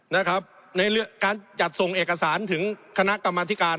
นะครับในเรื่องการจัดส่งเอกสารถึงคณะกรรมธิการ